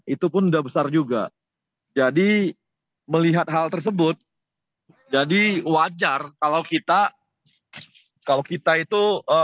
itu pun udah besar juga jadi melihat hal tersebut jadi wajar kalau kita kalau kita itu